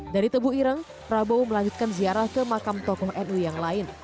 dari tebu ireng prabowo melanjutkan ziarah ke makam tokoh nu yang lain